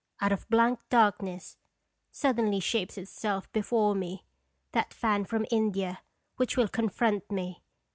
Out of blank darkness suddenly shapes itself before me that fan from India, which will confront me.